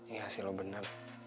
iya sih lu bener